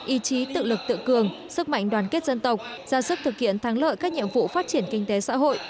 ý chí tự lực tự cường sức mạnh đoàn kết dân tộc ra sức thực hiện thắng lợi các nhiệm vụ phát triển kinh tế xã hội